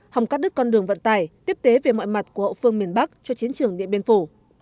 hòng cắt đứt con đường vận tải tiếp tế về mọi mặt của hậu phương miền bắc cho chiến trường điện biên phủ